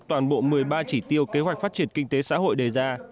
toàn bộ một mươi ba chỉ tiêu kế hoạch phát triển kinh tế xã hội đề ra